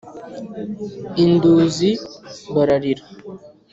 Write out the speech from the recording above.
i nduzi bararira.